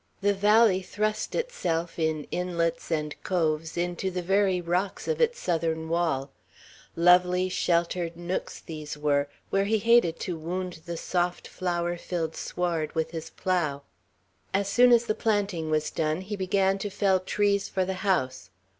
The valley thrust itself, in inlets and coves, into the very rocks of its southern wall; lovely sheltered nooks these were, where he hated to wound the soft, flower filled sward with his plough. As soon as the planting was done, he began to fell trees for the house.